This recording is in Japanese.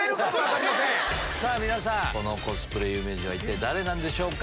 皆さんこのコスプレ有名人は一体誰なんでしょうか？